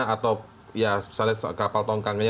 atau ya misalnya kapal tongkangnya